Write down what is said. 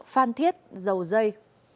phan thiết dầu dây